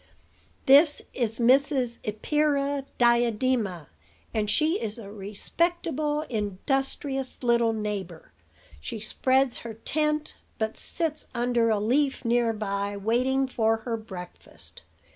"This is Mrs. Epeira Diadema; and she is a respectable, industrious little neighbor. She spreads her tent, but sits under a leaf near by, waiting for her breakfast.